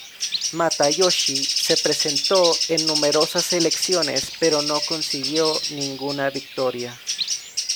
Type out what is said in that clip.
Matayoshi se presentó en numerosas elecciones, pero no consiguió ninguna victoria.